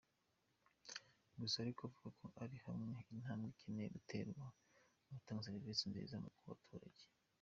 Gusa ariko avuga ko hari intambwe ikeneye guterwa mu gutanga serivisi nziza ku baturage.